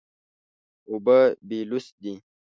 اوبه بېلوث دي.